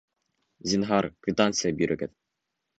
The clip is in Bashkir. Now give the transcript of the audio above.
Зинһар, квитанция бирегеҙ